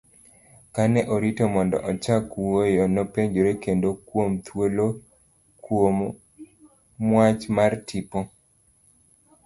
Kane orito mondo ochak wuoyo, nopenjore kendo kuom thuolo kuom mwach mar tipo.